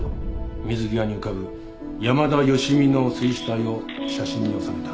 水際に浮かぶヤマダヨシミの水死体を写真に収めた。